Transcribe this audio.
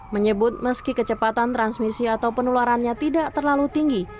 menyebut meski kecepatan transmisi atau penularannya tidak terlalu tinggi